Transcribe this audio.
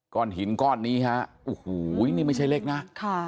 หินก้อนนี้ฮะโอ้โหนี่ไม่ใช่เล็กนะค่ะ